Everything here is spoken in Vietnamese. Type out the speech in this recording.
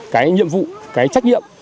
cái nhiệm vụ cái trách nhiệm